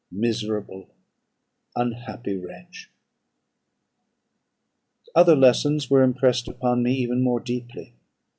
Miserable, unhappy wretch! "Other lessons were impressed upon me even more deeply.